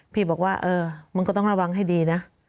พี่บอกว่าเออมันก็ต้องระวังให้ดีนะ